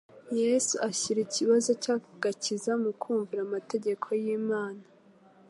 Yesu ashyira ikibazo cy'agakiza mu kumvira amategeko y'Imana.